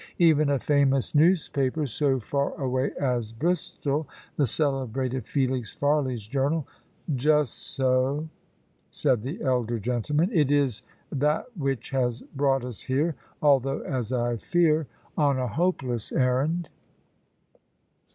Even a famous newspaper, so far away as Bristol, the celebrated 'Felix Farley's Journal' " "Just so," said the elder gentleman; "it is that which has brought us here; although, as I fear, on a hopeless errand."